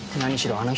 あの人